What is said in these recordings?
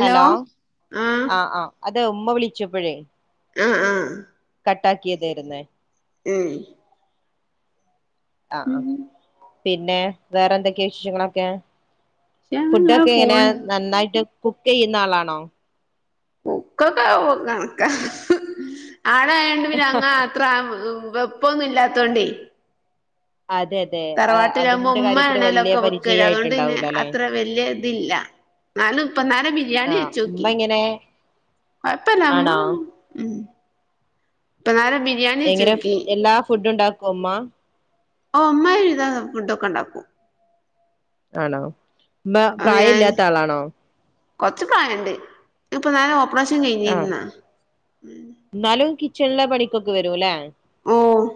Hello ആഹ് ആഹ് അത് ഉമ്മ വിളിച്ചപ്പഴേ ആഹ് ആഹ് കട്ടാക്കിയതരുന്. ഉം. ആഹ് ആഹ് പിന്നെ വേറെ എന്തൊക്കെ വിശേഷങ്ങളൊക്കെ പക്ഷെ നിങ്ങളെ ഫുഡൊക്കെ എങ്ങനെ ഫോൺ നന്നായിട്ട്. കുക്കെയ്യുന്ന ആളാണോ? കുക്കൊക്കെ കണക്ക ആടായോണ്ട് പിന്നെ അങ്ങ. ത്ര വെപ്പൊന്നും ഇല്ലാത്തോണ്ടേ. അതെ. അതെ തറവാട്ടിലാകുമ്പോ അതിന്റെ കാര്യത്തില് ഉമ്മാണലോ വലിയ ഒക്കെ വെക്ക അതുകൊണ്ട്ന്നെ പരിചയായിട്ടുണ്ടാവൂല അല്ലെ അത്ര വല്യ ഇതില്ല. ന്നാലും ഇപ്പന്നരം ബിരിയാണി ആഹ് ഉമ്മ വെച്ചോക്കി. എങ്ങനെ കൊയപ്പല്ല ആണോ ഉം. ഇപ്പനേര ബിരിയാൺ എങ്ങനെ എല്ലാ ഫുഡ് ഉണ്ടാക്കോ മ്മ? ഓ അമ്മ എല്ലാ ഫുഡ് ഒക്കെ ണ്ടാക്കും. ആണോ മ്മ പ്രായം ഇല്ലാത്ത ആളാണോ? കൊറച് പ്രായണ്ട് ഇപ്പൊ തന്നെ ഓപ്പറേഷം കഴിഞ്ഞിരുന്ന. ന്നാലും കിച്ചണില പണിക്കൊക്കെ വരുല്ലെ. ഉം.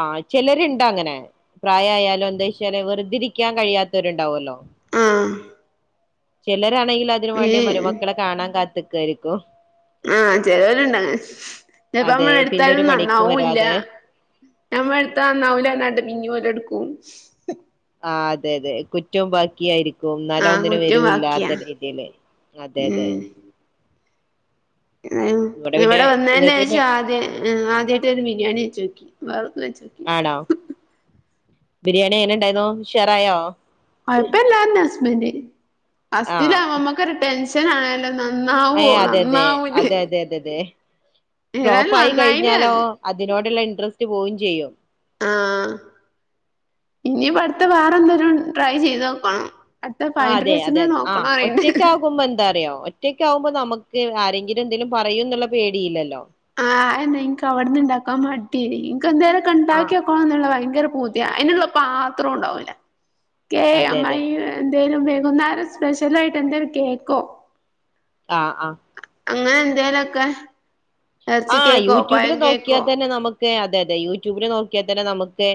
ആ ചിലരുണ്ട് അങ്ങനെ പ്രായായാലും എന്താച്ചാല് വെറുതിരിക്കാ കഴിയാത്തോര്ണ്ടാവല്ലോ. ആഹ്. ചിലരാണെങ്കി അതിനും ഈ വേണ്ടി മരുമക്കളെ കാണാ കാത്ത്ക്കായിരിക്കും. ആഹ് ചെലരുണ്ടങ്ങനെ ഞ്ഞിപ്പ അതെ നമ്മളെടുത്താലും പിന്നൊരു പണിക്കും നന്നാവൂല്ല. വരാതെ ഞമ്മള്ത്താ നന്നാവൂലാർഞ്ഞ് പിന്നെ ഓലെടുക്കും. ആഹ് അതെ അതെ കുറ്റം ബാക്കിയായിരി ക്കു ന്നാലും ആഹ് ഒന്നിനും കുറ്റം ബാക്കിയാ വരൂല്ലാത്ത രീതിയില് അതെ തെ. ങ് ഇവിടെ വന്നേന് ഇങ്ങക്ക് പിന്നെ ശേഷം ആദ്യം ആദ്യമായിട്ട് ഒരു ബിരിയാണി വെച്ചോക്കി വേറൊന്നുവെച്ച് ആണോ ബിരിയാണി എങ്ങനെണ്ടായിന്നു ഉഷാറായോ? കൊയപ്പല്ലർഞ്ഞു ഹസ്ബന്റ് ആ ഫസ്റ്റിലാവുമ്പ മ്മക്കൊരു ടെൻഷനണ് ഏ നന്നാവോ അതെ അതെ നന്നാവുലേ അതെ അതെ അതെ അതെ ഫ്ലോപ്പ് ഏതായാലും ആയി നന്നായിന് കഴിഞ്ഞാലോ പറഞ്ഞു. അതിനോടുള്ള ഇൻട്രസ്റ്റ് പോവും ചെയ്യോ. ആഹ് ഇനിപടുത്തെ വേറെ എന്തേലും ട്രൈ ചെയ്തോക്കണം. അട്ത്ത ഫ്രൈഡ്റൈസിനെ നോക്കണറിയിണ്ട്. ക്കുമ്പന്തെറിയോ ഒറ്റയക്കാവുമ്പോ നമുക്ക് ആരെങ്കിലും എന്തേലും പറയൂന്നുള്ള പേടിയില്ലല്ലോ. ആഹ് അഹ്നെ ഇൻക്ക് അവിടന്ന് ഇണ്ടാക്കാൻ മട്യ ഇനക്ക്ന്തേരം ആ കണ്ടാക്കി പാന്നുള്ള ഭയങ്കര പൂതിയ അയിനുള്ള പാത്രോണ്ടാവൂല്ല കേ അതെ അമ്മ അതെ എന്തേലും വേകുന്നാരം സ്പെഷ്യല ആയിട്ട് എന്തേലും കേക്കോ ആഹ് ആഹ് അങ്ങനെന്തേലൊക്കെ ആഹ് യൂട്യൂബില് നോക്കിയാ കേക്കോ തന്നെ നമുക്ക് അതെ അതെ യൂട്യൂബില് നോക്കിയാ തന്നെ നമുക്ക്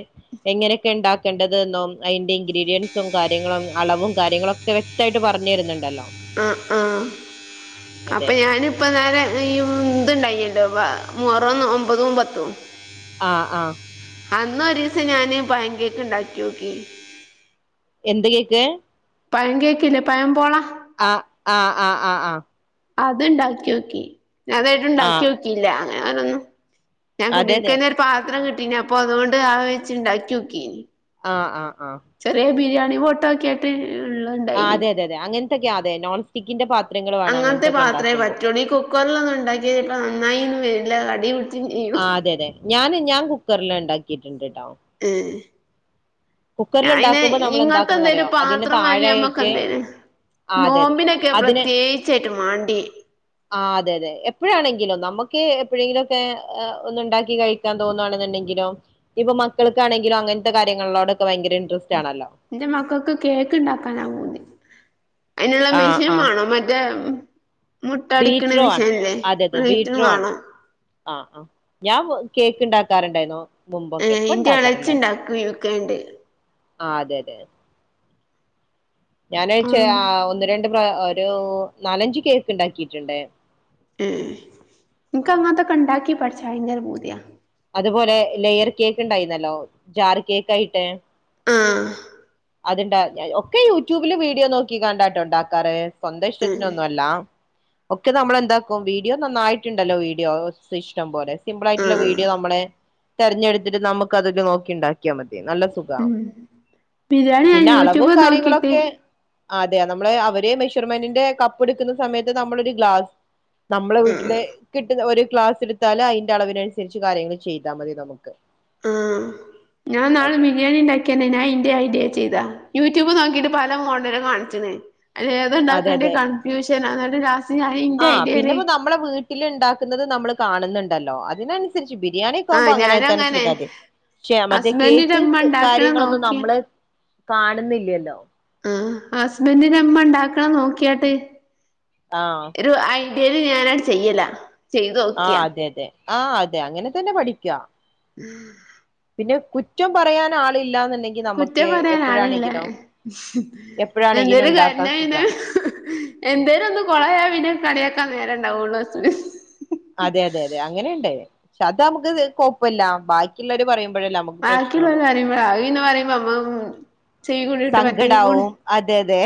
എങ്ങനെയൊക്കെ ഉണ്ടാക്കേണ്ടത് എന്നോ അയിന്റെ ഇൻഗ്രീഡിയൻറ്സും കാര്യങ്ങളും അളവും കാര്യങ്ങളൊക്കെ വ്യക്ത തായിട്ട് പറഞ്ഞു തരുന്നുണ്ടല്ലോ അഹ് ആഹ് അതെ അപ്പൊ ഞാന് ഇപ്പം നേരം ഈ ഇന്തുണ്ടായില്ലോ മുഹറം ഒമ്പതും പത്തും ആഹ് ആഹ് അന്നൊരീസം ഞാന് പയങ്കേക്ക്ണ്ടാക്കിയോക്കി എന്ത് കേക്ക്? പഴം കേക്കില്ലെ? പയം പോള ആ ആഹ് ആഹ് ആഹ് ആഹ് അത്ണ്ടാക്കിയോക്കി ആ ഞാതെരായിട്ട്ണ്ടാക്കിയോക്കില്ല അങ്ങനെ ഞാനൊന്നു ഞാൻ അതെ അതെ കുടിരിക്കൽനൊരു പാത്രം കിട്ടീനി അപ്പ അതുകൊണ്ട് അഹ് വെച്ച്ണ്ടാക്കിയോക്കി ആഹ് ആഹ് ആഹ് ചെറിയ ബിരിയാണി വോട്ടാക്കിയേ ആഹാ അതെ അതെതെ അങ്ങൻത്തക്കെയാ അതെ നോൺസ്റ്റിക്കിന്റെ പാത്രങ്ങള് വേണം അങ്ങൻത്തെക്കെണ്ടാക്കുമ്പോ കുക്കർല്ലൊന്നുണ്ടാക്കി ചെലപ്പോ നന്നായിന്നൊന്നും വര്ല്ല അടീപിട് ആ അതെ അതെ ഞാന് ഞാൻ കുക്കറില്ണ്ടാക്കിട്ട്ണ്ട്ട്ടോ ഏഹ് ഞാപിന്നെ ഉണ്ടാക്കുമ്പോ നമ്മൾ എന്താക്കണംന്ന് അറിയോ ഇങ്ങത്തെന്തേലും അതിന് പാത്രം താഴെയായിട്ട് വാങ്ങിയമ്മക്കെന്തേലും ആ അതെ അതെ നോമ്പിനൊക്കെ പ്രത്യേകിച്ചായിട്ട് മാണ്ടിയെ ആഹാ അതെ അതെ എപ്പഴാണെങ്കിലും നമ്മക്ക് എപ്പഴേങ്കിലൊക്കെ ഒന്ന്ണ്ടാക്കി കഴിക തോന്നാണെന്ന്ണ്ടെങ്കിലോ? ഇപ്പം മക്കൾക്കാണെങ്കിലോ അങ്ങൻത്തെ കാര്യങ്ങളിലോടൊക്കെ ഭയങ്കര ഇൻട്രസ്റ്റാണല്ലോ ഇന്റെ മക്കക്ക് കേക്ക്ണ്ടാക്കാനാ പൂതി അയിനുള്ള ആഹ് മെഷീൻ ആഹ് മാണം മറ്റേ മുട്ടടിക്കണ ബീട്രോ ആണ് മെഷീനില്ലേ അതെ അതെ വൈറ്റ് ബീട്രോ ആണ് വാണം ആഹ് ആഹ് ഞാൻ കേക്ക് ഉണ്ടാക്കാറുണ്ടായിന്നോ മുമ്പൊക്കെ ഏഹ് പ്പ ഇന്റെ എളച്ചി ഉണ്ടാക്കാറില്ലാട്ടാ ഇണ്ടാക്കും യുക്കേണ്ട് ആ അതെഅതെ ഞാൻ അഹ് ചെ ആഹ് ഒന്ന് രണ്ട് പ്ര ഒരു നാലഞ്ച് കേക്ക് ഉണ്ടാക്കിയിട്ടുണ്ട് ഉം ആ നിക്ക് അങ്ങനത്തൊക്കെ ഉണ്ടാക്കി പഠിച്ച ഭയങ്കര പൂതിയ അതുപോലെ ലെയർ കേക്ക് ഉണ്ടായിന്നല്ലോ ജാർ കേക്കായിട്ട് ആഹ് അത്ണ്ടാ ഒക്കെ യൂട്യൂബില് വീഡിയോ നോക്കി ക്കാണ്ടായിട്ട് ഉണ്ടാക്കാറ് സ്വന്തം ഏഹ് ഇഷ്ടത്തിനൊന്നും അല്ല ഒക്കെ നമ്മളെന്താക്കും വീഡിയോ നന്നായിട്ടുണ്ടല്ലോ വീഡിയോ ഇഷ്ടം പോലെ സിമ്പപിൾ ആയിട്ടുള്ള ആഹ് വീഡിയോ നമ്മളെ തെരഞ്ഞെടുത്തിട്ട് നമുക്ക് അതില് നോക്കിണ്ടാക്കിയാ മതി. നല്ല സുഖ ഉം ബിരിയാണി ഞാൻ പിന്നെ അളവും യൂട്യൂബ് നോക്കിട്ട് കാര്യങ്ങളൊക്കെ അതെ നമ്മെളെ അവരെ മെഷർമെന്റിന്റെ കപ്പ് എടുക്കുന്ന സമയത്ത് നമ്മളൊ ഒരു ഗ്ലാസ് നമ്മളെ ആഹ് വീട്ടില് കിട്ടുന്ന ഒരു ക്ലാസ്ടുത്താല് അയ്ന്റളവിനനുസരിച്ച് കാര്യങ്ങൾ ചെയ്താ മതി നമുക്ക് [inaudible] ആഹ് ഞാൻ നാളെ അതെ ബിരിയാണിണ്ടാക്കി ക്കെന്നെ. നാ ഇൻ്റെ ഐഡിയേ ചെയ്താ. യൂട്യൂബ് നോക്കീട്ട് പല മോഡലും കാൺച്ച്ണ് അതെ അയ്‌ലേതാണ്ടാക്കണ്ടൈ കൺഫ്യൂഷനാ, ന്നട്ട് ലാസ് ആഹ് പിന്നെപ്പോ നമ്മളെ വീട്ടില്ണ്ടാക്കുന്നത് നമ്മൾ കാണുന്നുണ്ടല്ലോ അതിനനുസരിച്ച് ബിരിയാണി മ്പോ ആഹ് അങ്ങനെ ഞാനും തന്നെ ചെയ്താതി പക്ഷേ മറ്റേ ഹസ്ബൻഡിന്റെ കേക്ക് ഇമ്മ ക് ഇണ്ടാക്കണ കാര്യങ്ങളൊന്നും നോക്കിയ നമ്മള് കാണുന്നില്യല്ലോ ആ ഹസ്ബന്റിന്റമ്മ ഉണ്ടാക്കണ നോക്കിയാട്ടെ ആ ഒരു ഐഡിയയിൽ ഞാനാട്ട് ചെയ്യല ആ ചെയ്തോക്കിയാ അതെ അതെ ആ അതെ അങ്ങനെ തന്നെ പഠിക്കാ [inaudible] പിന്നെ കുറ്റം പറയാൻ ആളില്ലന്ന്ണ്ടെങ്കി കുറ്റം പറയാനാളില്ല ലെ ഹ് എപ്പോഴാണെങ്കിലും എന്തേലു കരിഞ്ഞ ഉണ്ടാക്കാൻ പിന്നെഹ് സുഖാണ് ഹ്ഹ് എന്തേലും ഒന്ന് കൊളായാ പിന്നെ കളിയാക്കാൻ നേരണ്ടാവുള്ളു സ് സ് അതെ അതെ അതെ അങ്ങനെണ്ട് പക്ഷെ അത് നമുക്ക് കൊപ്പല്ല ബാക്കില്ലവര് പറയുമ്പോഴല്ലേ നമുക്ക് ബാകില്ലോള് പ്രശ്നമുള്ളൂ പറയുമ്പള്അയ്പിന്നെ പറയുമ്പോ അമ്മ-മു - സങ്കടാവും അതെ അതെ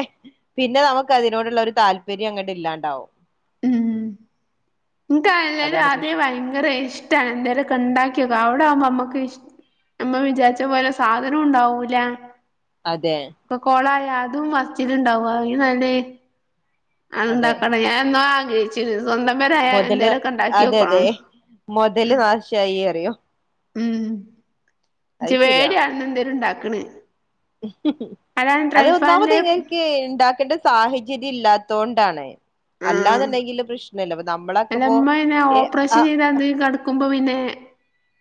പിന്നെ നമുക്ക് അതിനോടുള്ള ഒരു താല്പര്യ ങ്ങട്ട് ഇല്ലാണ്ടാവും ഇം ഇൻക്ക് അല്ലേലു അതാണ് ആദ്യേ പ്രശ്നം വയ് ഭങ്കര ഇഷ്ട എന്താലും കണ്ടാക്കിയൊക്കെ അവ്ടാവുമ്പോ നമ്മുക്ക് ഇഷ് നമ്മൾ വിചാരിച്ച പോലെ സാധനുണ്ടാവൂല അതെ ഇപ്പൊ കൊളായ അതും ഫസ്റ്റിലിണ്ടാവും അയിലുമ് നല്ലേ അത് അതെ ഉണ്ടാക്കണം ഞാൻ എന്നോ ആഗ്രഹിച്ചിനി സ്വന്തം പെരായാൽ എന്തേലൊക്കെ ഉണ്ടാക്കിയോക്കണംന്ന് മൊതല് നാശായി അറിയോഹ് ഉം അത് ഇച്ച് വേട്യാണ്ന്തേലണ്ടാക്കണ് ഹ് ഹ് അത് ഒന്നാമത് ഇൻക്ക് ഇണ്ടാക്കേണ്ട സാഹചര്യം ഇല്ലാത്തൊണ്ടാണ് ആഹ് അല്ലാന്നുണ്ടെങ്കില് പ്രശ്നല്ല അപ്പൊ നമ്മളൊക്കെപ്പോ എ ആ എന്തയുകട [unintelligible] വക്കുമ്പോ പിന്നെ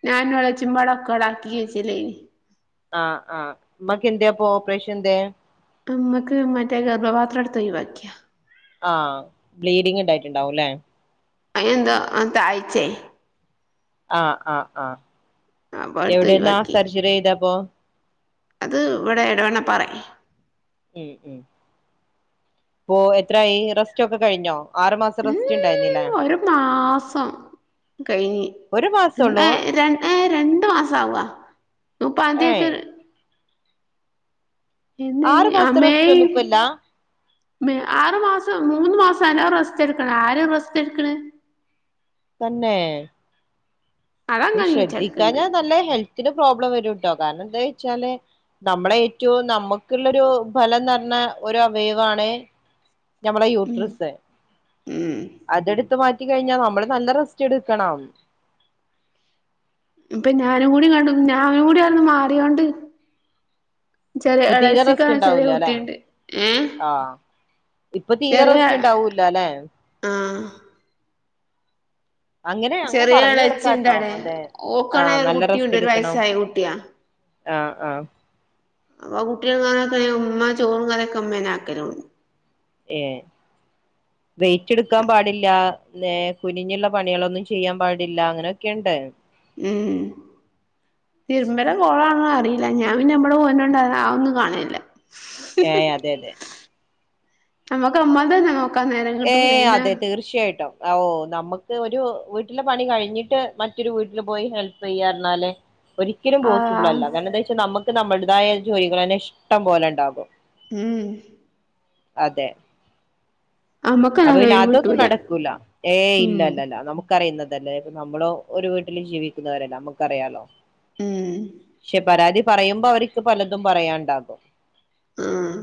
ഞാൻ എളച്ചിമ്പാട ഒക്കെ ഉടാക്കിഴച്ചില്ലേനി ആ ആ മ്മക്ക് എന്തേപ്പൊ ഓപ്പറേഷന്തെ അമ്മക്ക് മറ്റേ ഗർഭപാത്രം എടുത്ത് ഒഴിവാക്കി ആഹ് ബ്ലീഡിങ് ഇണ്ടായിട്ടുണ്ടാവു ല്ലെ അയിനന്ത അന്ത തായ്ച്ചെ ആഹ് ആഹ് ആഹ അപ്പൊ എടുത്ത് എവിടെന്നാ ഒഴിവാക്കി സർജറി ചെയ്തെ അപ്പോ അത് ഇവിടെ എടവണ്ണ പാറ ഹം ഹം ഇപ്പൊ എത്രായി റെസ്റ്റ് ഒക്കെ കയിഞ്ഞോ ഊമ്. ഒരു മാസം കഴിഞ്ഞ് ഒരു മാസൊള്ളൂ ഏ ഏ രണ്ടു മാസം ആവാ ഏഹ് [inaudible] ആറു എന്നെനി ആ മാസത്തെ റെസ്റ്റ് മേയ് ഒന്നും ഇപ്പല്ല മ് ആറ് മാസം മൂന്ന് മാസം നല്ലോ റസ്റ്റ് എടുക്കണം ആര് റസ്റ്റ് എടുക്കണ് തന്നെ... അതങ്ങനെ നീച്ചെടുക്കണ്ട് നീശ്രദ്ധിക്കാഞ്ഞ നല്ല ഹെൽത്തിന് പ്രോബ്ലം വരുട്ടോ കാരണം എന്താ ച്ചാല് നമ്മളെ ഏറ്റവും നമുക്കുള്ളൊരു ഫലം നിറഞ്ഞ ഒരു അവയവാണ് ഞമ്മളെ ഉം യൂട്രസ് ഉം അതെടുത്ത് മാ ഇത് കഴിഞ്ഞാ നമ്മള് നല്ല റസ്റ്റ് എടുക്കണോ ഇപ്പൊ ഞാനുകൂടി കണ്ടു ഞാനും കൂടി ആട്ന്ന് മാറിയോണ്ട് ചെറിയ ഇപ്പൊ തീരെ ളേച്ചിക്കാ റെസ്റ്റ് ചെറിയ ഉണ്ടാവൂല അല്ലെ കുട്ടിണ്ട് ഏ... ആഹ് ഇപ്പൊ തീരെ ചെറിയ റെസ്റ്റ് ഉണ്ടാവൂലല്ലേ ആ അങ്ങനെ അങ്ങനെ ചെറിയ പറഞ്ഞ് എളക്കാട്ടോ ഇളച്ചിണ്ടവിടെ അതെ ആ ഓക്കാണെ ഒരു നല്ല റെസ്റ്റ് കുട്ടിയുണ്ട് ഒരു എടുക്കണം വയസ്സായ കുട്ടിയാ ആ ആ [inaudible] ഉമ്മ ചോറും കറ്യൊക്കെ ഇമ്മേനെ ആക്കലോണ് ഏ വെയിറ്റെടുക്കാൻ പാടില്ല ന്നേ കുനിഞ്ഞുള്ള പണികളൊന്നും ചെയ്യാൻ പാടില്ല അങ്ങനെയൊക്കെണ്ട് അം തിര്മ്പടെ മോളാണെന്ന് അറീല. ഞാ പിന്നെ ഇബടെ മോന്ണ്ടാന്ന് അതൊന്നും കാണനില്ല ഏഹ് അതെ അതെ ഞമക്ക് അമ്മാൻ്റെ തന്നെ വേണം ഏഹ് അതേ തീർച്ചയായിട്ടൊ ആ ഓഹ് നമ്മക്ക് ഒരു വീട്ട്ലെ പണി കഴ്ഞ്ഞിട്ട്. മറ്റൊരു വീട്ട്ല് പോയി ഹെൽപീയ്യാർഞാല് ഒരിക്കലും ആ പോസിബ്ളല്ല. കാര്ണം എന്താച്ച നമ്മക്ക് നമ്മുട്തായ ജോലികളെന്നെ ഇഷ്ടം പോലെ ഇണ്ടാകും ഉം അതെ അപൊ നമ്മക്കങ്ങനെ പിന്നെ ഒഴിവ് അതൊന്നും കിട്ടൂല നടക്കൂല. ഏയ് ഉം ഇല്ലല്ല്ല്ല അതമുക് അറിയ്ന്നതല്ലെ ഇപ്പൊ നമ്മളും ഒര് വീട്ട്ല് ജീവിക്കുന്നവരല്ലെ നമ്മുക്കറിയാലൊ ഉം ഷെ പരാധി പറയുമ്പൊ അവര്ക്ക് പലതും പറയാൻണ്ടാകും ഉം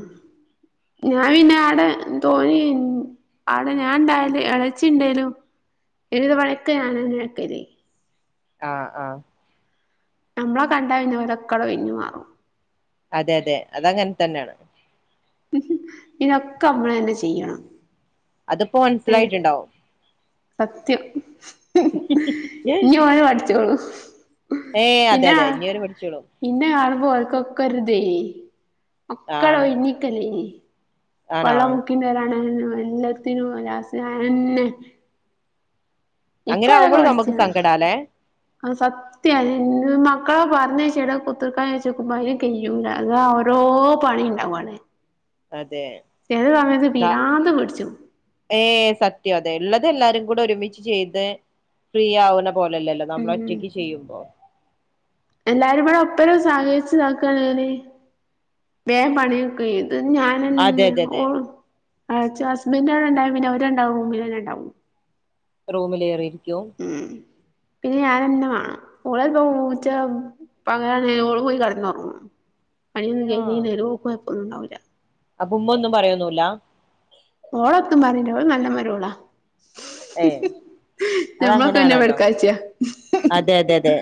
ഞാ പിന്നെ ആടെ തോന്നിൻ അവിടെ ഞാൻ ഇണ്ടായലും എളെച്ചിണ്ടേനു. പെരീതെ പണിക്കെ ഞാനന്നെ ഇട്ക്കല് ആഹ് ആഹ് നമ്മ്ളെ കണ്ടാ ഓലക്കണ്ട് ഒഴ്ഞ്ഞു മാറും അതെ അതെ അതങ്ങനെ തന്നേണ് ഇനൊക്കെ ഞമ്മളെന്നെ ചെയ്യണം അതിപ്പൊ ഏഹ് മൻസ്സിലായിട്ട്ണ്ടാവും സത്യം. ഇഞ്ഞി ഓന് പഠ്ച്ചോളും ഏയ് അതെ അതെ ഇഞിവര് പഠ്ച്ചോളും ഇന്നെ കാണുമ്പൊ ഓൽക്കൊക്കര്തെ ഒക്കണ്ട് ആഹ് ഒഴിഞിക്കല്ലെയ്നു ആണോ വള്ളമുക്കിത്തരാണ് എല്ലത്തിനും ലാസ്‌റ്റ് ഞാനെന്നെ. ഇപ്പ അങ്ങനെ അതൊക്കെ ആവുമ്പോൾ പഠിച്ച് നമുക്ക് സങ്കടാല്ലേ ആഹ് സ മക്കളെ പറഞ്ഞയ്ച്ചിട് കുത്ത്ർക്ക ചൊയ്ചോക്കുമ്പൊ അയിന് കയ്യൂല്ല. അള്ളാ ഓരോ പണിണ്ട് അമ്മാണ് അതെ. ത്ത പിരാന്ത് പിടിച്ചും ഏഹ് സത്യം അതെ ഇള്ളത് എല്ലാരും കൂടെ ഒരുമിച്ച് ചെയ്ത് ഫ്രീ ആവ്ണ പോലെല്ലല്ലൊ ഉം നമ്മ്ളൊറ്റക്ക് ചെയ്യുമ്പൊ എല്ലാരും കൂടെ ഒപ്പരം സഹരിച്ച് താക്കാണെല് ബേ പണിയൊക്കെയ്ത്. ഞാന് അതെതെതെ ഹസ്ബന്റവടെണ്ടായ പിന്നെ അവരണ്ടാളും റൂമിലന്നെണ്ടാവും റൂമിലേറിരിക്കും ഉം പിന്നെ ഞാനെന്നെ വേണം ഓളെൽപ്പം പൂച്ച ഇപ്പ അങ്ങനേണെ ഓള് പോയി കടന്നൊറ്ങ്ങും. പണിയൊന്നും ആ ചെയ് നീ നേരോക്കോ ഓൾക് കൊഴപ്പോന്നുണ്ടാവില്ല അപ്പൊ ഉമ്മൊന്നും പറയൊന്നുല്ലാ ഓളൊത്തും പറീല ഓള് നല്ല മരോളാ ഏ ഞമ്മ്ളൊക്കെ പിന്നെ അതങ്ങനെയാണല്ലോ വെടക്കാച്ച്യ അതെ അതെതേ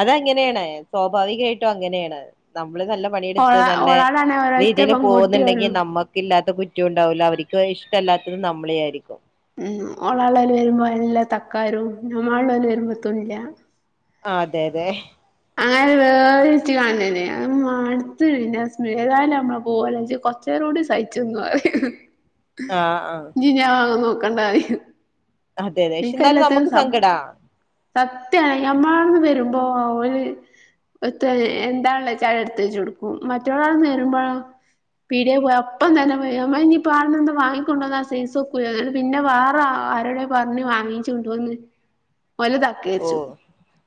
അതങ്ങനേണ് സ്വാഭാവികായിട്ടും അങ്ങനേണ് നമ്മള് നല്ലം ഓള പണിയെട്ത്ത് നല്ലേ ഓളാടാണെ ഒരൊറ്റ രീതീല് പോവ്ന്ന്ണ്ടെങ്കി പെൺകുട്ടിയേള്ളു നമ്മക്കു ഇല്ലാത്ത കുറ്റൊണ്ടാവൂല അവര്ക്ക് ഇഷ്ടല്ലാത്തത് നമ്മ്ളെ ആയിരിക്കും ഉം ഓളള്ളോല് വരുമ്പൊ അല്ല തക്കാരൊം. നമ്മളള്ളോല് വരുമ്പൊത്തുല്ല ആഹ് അതെ അതെ [unintelligible] മട്ത്ത് ഞാ സ് ഏതായാലും ഞമ്മള് പോവല്ലെ കൊറച്ചേരൂടി സഹിച്ച്ന്നൊ അറിം ആ ആ ഇഞ്ഞി ഞാൻ നോക്കണ്ടാറിം അതെ അതെ പഷെ ഇന്നാലും ഞമ്മക്ക് സ സങ്കടാ സത്യാണ് ഞമ്മളാട്ന്ന് വരുമ്പൊ ഓല് എന്താള്ളാച്ചെ അത് എടുത്തേച്ചൊടുക്കും. മറ്റോളാടാന്ന് വരുമ്പഴൊ പീടിയെ പോയ അപ്പംതന്നെ പൊ ഞമ്മഞിപ്പൊ ഇഞിപ്പാട്ന്നെന്തെ വാങ്ങിക്കൊണ്ടന്ന സൈസൊക്കു പിന്നെ വേറെ ആ ആരോടേം പർഞ്ഞ് വാങ്ങിച്ചുണ്ടാേന്ന് ഓല്താ ഓ ക്കേര്ച്ചു.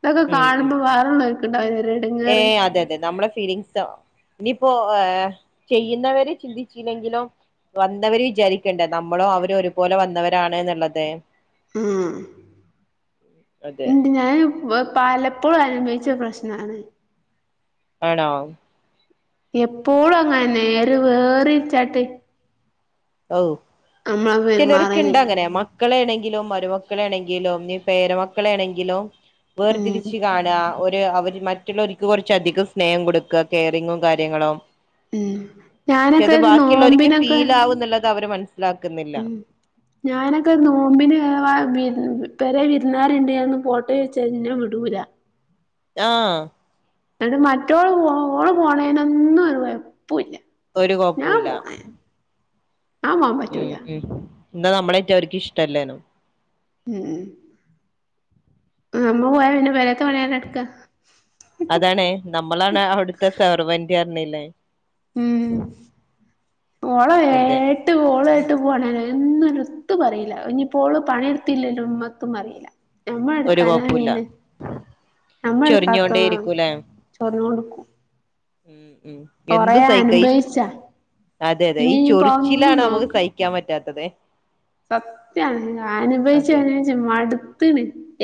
ഇതൊക്കെ ഉം ഉം കാണുമ്പോ ഉം വേറെ ള്ളോൽക്കണ്ടാവു ലോരു ഏ എട്ങ്ങേറ്. അതെ അതെ നമ്മെളെ ഫീലിങ്സ് തോ ഇനിപ്പോ ഏഹ് ചെയ്യുന്നവര് ചിന്തിച്ചിലേങ്കിലും വന്നവര് വിചാരിക്കണ്ടേ നമ്മളും അവരും ഒരുപോലെ വന്നവരാണ്ന്ന്ള്ളത് ഉം അതെ എന്ത് ഞാനും വ് പലെപ്പോഴും അനുഭവിച്ച പ്രശ്നാണതേ ആണോ എപ്പോളും അങ്ങനെന്നെ എര് വേറ്‌ര്ചാട്ട് ഔ നമ്മള് പെരുമാറല് ചിലരൊക്കെണ്ടങ്ങെനെ മാെ മക്കളെ ണെങ്കിലും, മരുമക്കളെ ണെങ്കിലും, നീ പേരമക്കളേണെങ്കിലും. ഉം വേർതിരിച്ച് കാണ. ഒ ര് അവര് മറ്റുള്ളവര്ക്ക് കൊർച്ച് അധികം സ്നേഹം കൊട്ക്ക കെയറിങ്ങും കാര്യങ്ങളും ഉം പക്ഷെ ഞാനൊക്കെ അത് ഒരു ബാക്കിയുള്ളോര്ക്ക് നോമ്പിനൊക്കെ ഫീലാവും ന്ന്ള്ളത് അവര് മനസ്സ്ലാക്ക്ന്നില്ല ഉം ഞാനൊക്കെ നോമ്പിന് വെ വിര് പെരേ വിര്ന്നാര്ണ്ട്ന്ന് ഞാനൊന്ന് പോട്ടെ ചോയ്ച്ചാ ഇന്നെ വിടൂലാ [inaudible] ന്നട്ട് മറ്റോള് പോ ഓള് പോണേനൊന്നും ഒര് കൊഴപ്പുല്ലാ ഒരു കോപ്പൂല്ല. ഞാൻ പോവാൻ ഉം പറ്റൂല ഉം ന്നാ നമ്മളെറ്റെ അവര്ക്ക് ഇഷ്ടല്ലേനും [inaudible] ആഹ് നമ്മള് പോയ പിന്നെ പെരേത്തെ പണി ആരാ ട്ക്കാ അതാണേ നമ്മളാണ് അവിട്ത്തെ സെവർവന്റ് അർഞ്ഞില്ലേ ഉം ഓളെ വേ അതെ ട്ട്, ഓളേട്ട് പോണേന്നും ഒന്നും എത്തും പറയില. ഇനിപ്പോള് പണിയെടുത്തില്ലേലും മ്മത്തും പറീല. [inaudible] ഞമ്മള് ഒരു കൊഴപ്പൂല്ല എട്ക്കാഞ്ഞായീണ് ഞമ്മള് എട്ക്കാത്ത ചൊറിഞ്ഞോണ്ടേ ഇരിക്കൂലേ ചൊർഞ്ഞോണ്ട്ക്കും ഉം ഉം എന്തും സഹിക്ക ഈ അനുഭവിച്ചാ അതെ അതെ ഇനി ഈ ഇനിയിപ്പോ ഒന്നും ചൊറിച്ചിലാണ് നമുക്ക് നോക്ക് സഹി ക്ക്യാൻ പറ്റാത്തതേ സത്യാണ്. അനുഭവിച്ച്, അതെ അനുഭവിച്ച്, മടുത്തിണ്.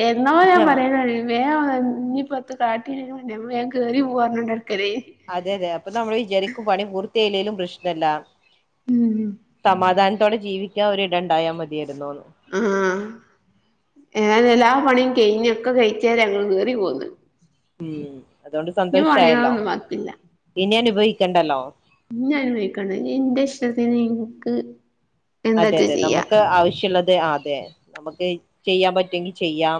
എന്നോ ഞാൻ ആഹ് പറയലൊടങ്ങിണ്. വേം ഇഞ്ഞിപ്പെത്തും കാട്ടില്ലെലും ഞമ്മള് വേം കേറി പോവാർഞ്ഞാണ്ടട്ക്കലേനി അതെ അതെ അപ്പൊ നമ്മള് വിജാരിക്കും പണി പൂർത്തിയായില്ലേലും പ്രശ്നല്ലാന്ന് ഉം സമാധാൻത്തോടെ ജീവിക്കാം ഒരിടം ണ്ടായാ മതിയേര്ന്നൂന്ന് ആഹ് ഏതായാലും എല്ലാ പണിയും കെയ്ഞ്ഞ് ഒക്കെ കയ്ച്ചാരെ ഞങ്ങള് കേറി പോന്നെ ഉം, അതോണ്ട് സന്തോഷായല്ലോ? പണികളൊന്നും ബാക്കില്ല ഇനി അനുഭവിക്കണ്ടല്ലോ? ഇഞ്ഞനുഭവിക്കണ്ട ഞ്ഞിന്റെ ഇഷ്ടത്തിന് ഇൻക്ക് അതെ എന്താച്ചാ അതെ ചെയ്യാ നമുക്ക് ആവശ്യള്ളത് ആഹ് അതെ നമുക്ക് ചെയ്യാം പറ്റാെങ്കിൽ ചെയ്യാം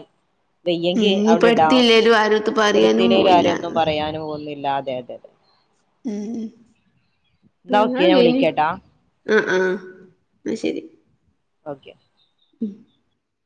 വെയ്യെങ്കി ഇഞ്ഞിപ്പോ അവിടെ ഇടാം. ഇട്ത്തില്ലേലും ആരെട്ത്തും പറയാനും എടുത്തില്ലേലും പോവില്ല ആരൊന്നും പറയാൻ പോകുന്നില്ല. അതെ, അതെ, അതെ. ഉം ന്നാ ഓക്കെ ഇങ്ങള് ഞാൻ വിളിക്കാം കയിഞ്ഞ് ട്ടോ ആഹ് ആഹ് ന്നാ ശെരി ഓക്കെ